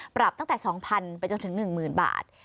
ปรับตั้งแต่๒๐๐๐ไปจนถึง๑๐๐๐บาท